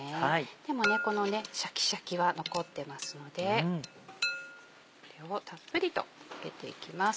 でもこのシャキシャキは残ってますのでこれをたっぷりとかけていきます。